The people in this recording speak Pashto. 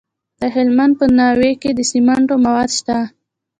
د هلمند په ناوې کې د سمنټو مواد شته.